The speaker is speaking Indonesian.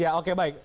ya oke baik